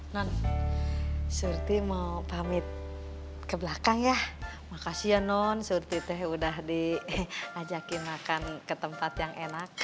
non surti mau pamit ke belakang ya makasih ya non surti teh udah diajakin makan ke tempat yang enak